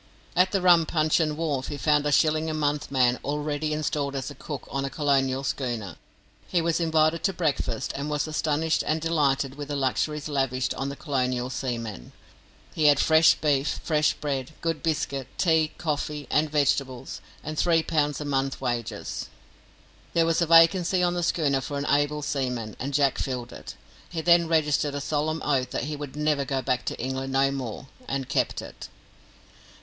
At the Rum Puncheon wharf he found a shilling a month man already installed as cook on a colonial schooner. He was invited to breakfast, and was astonished and delighted with the luxuries lavished on the colonial seaman. He had fresh beef, fresh bread, good biscuit, tea, coffee, and vegetables, and three pounds a month wages. There was a vacancy on the schooner for an able seaman, and Jack filled it. He then registered a solemn oath that he would "never go back to England no more," and kept it.